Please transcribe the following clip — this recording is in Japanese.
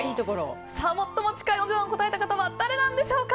最も近いお値段を答えた方は誰なんでしょうか。